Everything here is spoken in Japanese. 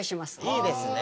いいですね。